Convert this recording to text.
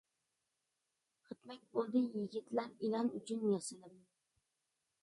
غىتمەك بولدى يىگىتلەر، ئېلان ئۈچۈن ياسىنىپ.